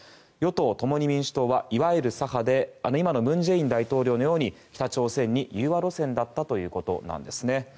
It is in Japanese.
与党・共に民主党はいわゆる左派で今の文在寅大統領のように北朝鮮に融和路線だったということなんですね。